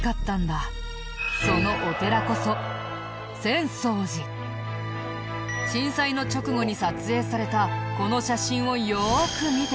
そのお寺こそ震災の直後に撮影されたこの写真をよく見てほしい。